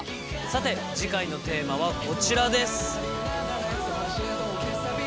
さて次回のテーマはこちらです。